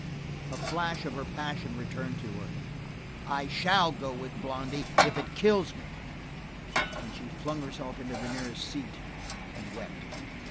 A flash of her passion returned to her. "I shall go with Blondy if it kills me." And she flung herself into the nearest seat and wept.